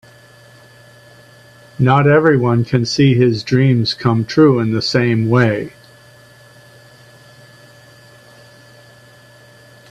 Not everyone can see his dreams come true in the same way.